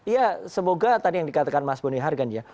ya semoga tadi yang dikatakan mas bonihar kan ya